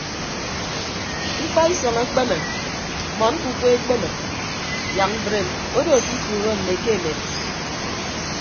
Ikpaisọñ ekpeme mmọn ñkuku ekpeme yak mbreem odo ke ifuuro mme ke emem.